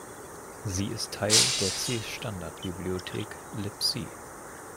Sie ist Teil der C-Standard-Bibliothek libc.